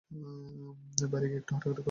বাইরে গিয়ে একটু হাঁটাহাঁটি করো তোমরা।